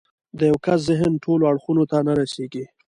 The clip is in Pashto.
د يوه کس ذهن ټولو اړخونو ته نه رسېږي.